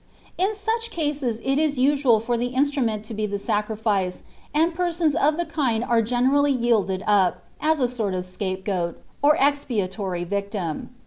In such cases il ia usual for the instni nieni to be the sacrifice, and persons of the kind are geneinlly yirlded a sort of scapegoat, or expiatory victim.